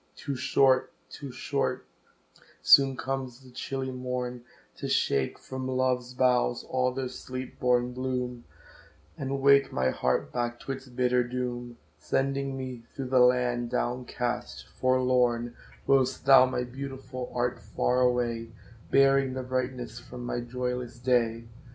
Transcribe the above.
Too short too short soon comes the chilly morn, To shake from love's boughs all their sleep born bloom, And wake my heart back to its bitter doom, Sending me through the land down cast, forlorn, Whilst thou, my Beautiful, art far away, Bearing the brightness from my joyless day.